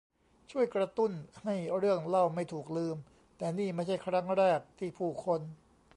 ช่วยกระตุ้นให้เรื่องเล่าไม่ถูกลืม แต่นี่ไม่ใช่ครั้งแรกที่ผู้คน